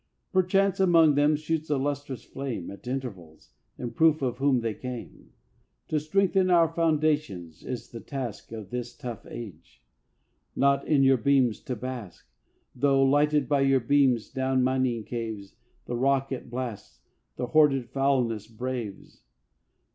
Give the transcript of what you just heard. Perchance among them shoots a lustrous flame At intervals, in proof of whom they came. To strengthen our foundations is the task Of this tough Age; not in your beams to bask, Though, lighted by your beams, down mining caves The rock it blasts, the hoarded foulness braves.